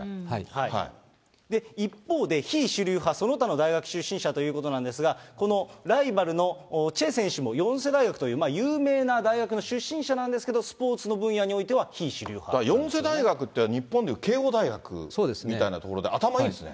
一方で、非主流派、その他の大学出身者ということなんですが、このライバルのチェ選手もヨンセ大学という有名な大学の出身者なんですけど、スポーツの分野におヨンセ大学って、日本でいう慶応大学みたいな所で、頭いいですね。